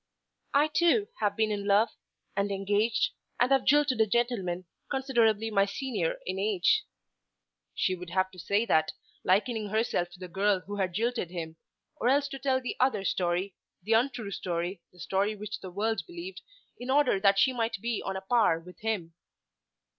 "I too have been in love, and engaged, and have jilted a gentleman considerably my senior in age." She would have to say that, likening herself to the girl who had jilted him, or else to tell the other story, the untrue story, the story which the world believed, in order that she might be on a par with him.